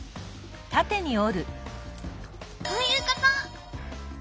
こういうこと！